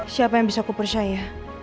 siapa yang bisa kupersyai ya